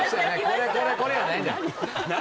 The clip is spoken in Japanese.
これこれこれやないねん何？